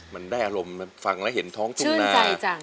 มันได้อารมณ์ฟังแล้วเห็นท้องทุ่งนาย